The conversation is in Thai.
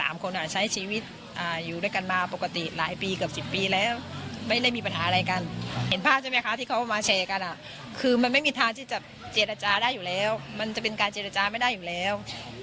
มาแชร์กันอะคือมันไม่มีทางที่จะเจรจาได้อยู่แล้วมันจะเป็นการเจรจาไม่ได้อยู่แล้ว